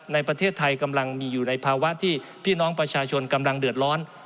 ในประเทศไทยกำลังมีอยู่ในภาวะที่พี่น้องประชาชนกำลังเดือดร้อน